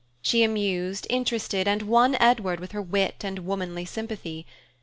She amused, interested and won Edward with her wit and womanly sympathy.